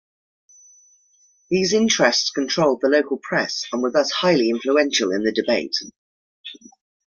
These interests controlled the local press and were thus highly influential in the debate.